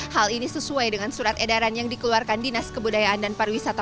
hal ini sesuai dengan surat edaran yang dikeluarkan dinas kebudayaan dan pariwisata